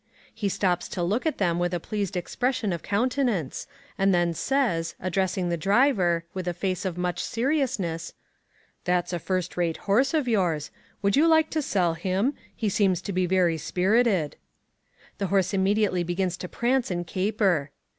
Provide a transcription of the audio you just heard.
He stops to look at them with a pleased expression of countenance, and then says, addressing the driver, with a face of much seriousness, "That's a first rate horse of yours. Would you like to sell him? He seems to be very spirited." The horse immediately begins to prance and caper.